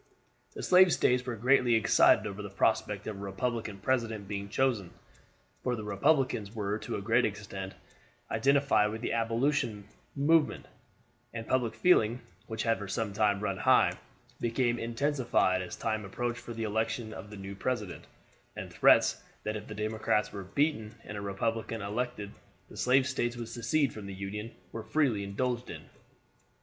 The slave States were greatly excited over the prospect of a Republican president being chosen, for the Republicans were to a great extent identified with the abolition movement; and public feeling, which had for some time run high, became intensified as the time approached for the election of a new president, and threats that if the Democrats were beaten and a Republican elected the slave States would secede from the Union, were freely indulged in.